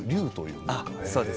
そうです。